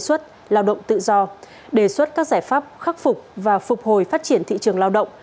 xuất lao động tự do đề xuất các giải pháp khắc phục và phục hồi phát triển thị trường lao động